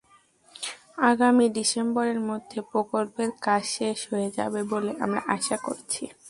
আগামী ডিসেম্বরের মধ্যে প্রকল্পের কাজ শেষ হয়ে যাবে বলে আমরা আশা করছি।